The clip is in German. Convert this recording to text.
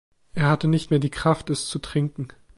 Er hatte nicht mehr die Kraft, es zu trinken.